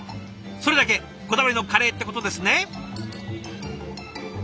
それだけこだわりのカレーってことですね。